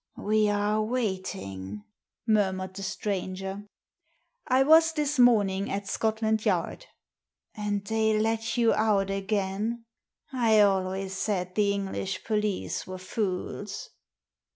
" We are waiting," murmured the stranger. " I was this morning at Scotland Yard." " And they let you out again ? I always said the English police were fools."